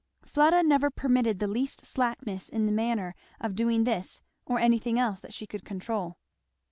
Fleda never permitted the least slackness in the manner of doing this or anything else that she could control.